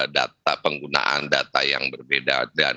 data penggunaan data yang berbeda